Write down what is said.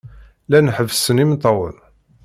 Llan ḥebbsen imeṭṭawen.